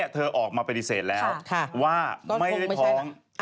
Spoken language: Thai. ก็อยากให้ไปรับไปจง